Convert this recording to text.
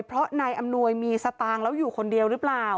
เพราะนายอำนวยมีสตางค์แล้วอยู่คนเดียวหรือเปล่า